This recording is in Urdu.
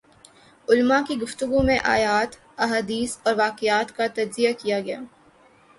علماء کی گفتگو میں آیات ، احادیث اور واقعات کا تجزیہ کیا گیا